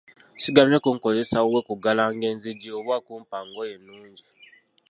Sigambye kunkozesa wuwe kuggalanga enzigi oba kumpa ngoye nnungi.